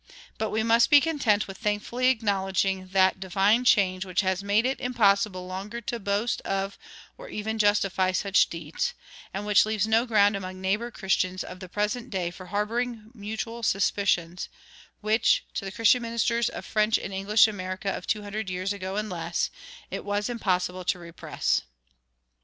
But we must be content with thankfully acknowledging that divine change which has made it impossible longer to boast of or even justify such deeds, and which leaves no ground among neighbor Christians of the present day for harboring mutual suspicions which, to the Christian ministers of French and English America of two hundred years ago and less, it was impossible to repress.